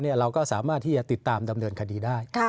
เราก็สามารถที่จะติดตามดำเนินคดีได้